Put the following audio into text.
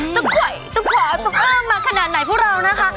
จะขวาจะข้ามมาขนาดไหนพวกเรานะคะ